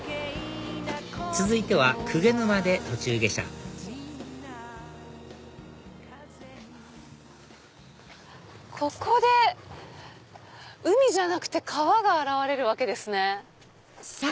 続いては鵠沼で途中下車ここで海じゃなくて川が現れるわけですね。